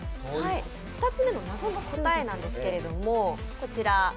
２つ目の謎の答えなんですけれども、こちら。